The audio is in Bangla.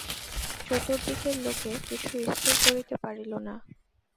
চতুর্দিকের লোকে কিছু স্থির করিতে পারিল না।